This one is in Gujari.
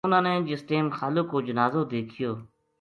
اُنھاں نے جس ٹیم خالق کو جنازو دیکھیو